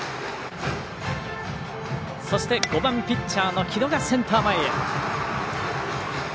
そして５番ピッチャーの城戸がセンター前へ。